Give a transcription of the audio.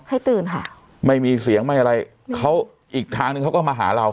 ให้ตื่นค่ะไม่มีเสียงไม่อะไรเขาอีกทางนึงเขาก็มาหาเรา